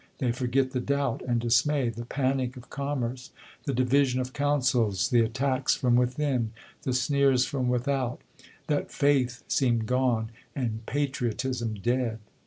They forget the doubt and dismay, the panic of commerce, the division of counsels, the attacks from within, the sneers from without — that faith seemed gone and patriotism dead.